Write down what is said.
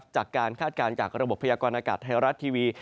จากการคาดการณ์จากระบบพยากรนาคตธรรมแรงไทยรัชท์ทีวี